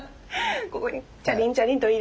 ここにチャリンチャリンと入れて。